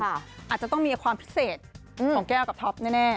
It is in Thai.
อาจจะต้องมีความพิเศษของแก้วกับท็อปแน่